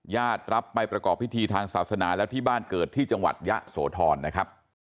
รับไปประกอบพิธีทางศาสนาแล้วที่บ้านเกิดที่จังหวัดยะโสธรนะครับ